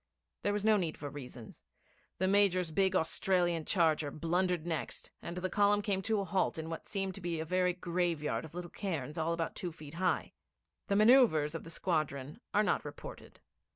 There was no need for reasons. The Major's big Australian charger blundered next, and the column came to a halt in what seemed to be a very graveyard of little cairns all about two feet high. The man[oe]uvres of the squadron are not reported.